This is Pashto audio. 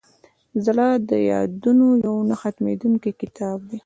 زړه د یادونو یو نه ختمېدونکی کتاب دی.